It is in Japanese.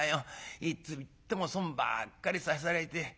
いつ行っても損ばっかりさせられて。